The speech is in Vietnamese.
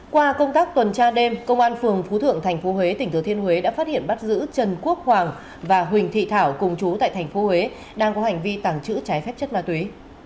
qua công tác tuần tra đêm công an phường phú thượng tp huế tỉnh thừa thiên huế đã phát hiện bắt giữ trần quốc hoàng và huỳnh thị thảo cùng chú tại tp huế đang có hành vi tàng trữ trái phép chất ma túy